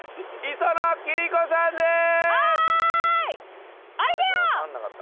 磯野貴理子です。